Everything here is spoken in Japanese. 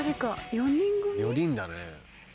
４人だね。